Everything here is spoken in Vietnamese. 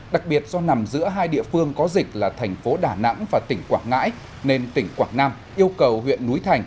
đặc biệt do nằm giữa hai địa phương có dịch là thành phố đà nẵng và tỉnh quảng ngãi nên tỉnh quảng nam yêu cầu huyện núi thành